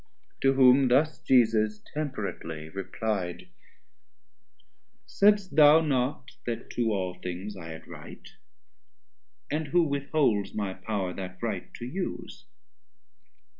To whom thus Jesus temperately reply'd: Said'st thou not that to all things I had right? And who withholds my pow'r that right to use?